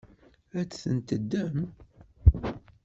Ad ten-teddem?